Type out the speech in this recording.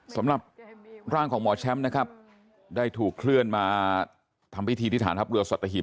สำหรับร่างของหมอแชมป์นะครับได้ถูกเคลื่อนมาทำพิธีที่ฐานทัพเรือสัตหิบ